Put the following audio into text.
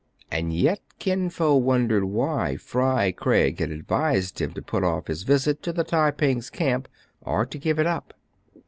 And yet Kin Fo wondered why Fry Craig had advised him to put o£E his visit to the Tai ping's camp, or to give it up.